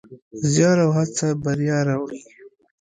زیار او هڅه بریا راوړي.